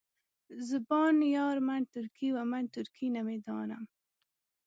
زبان یار من ترکي ومن ترکي نمیدانم.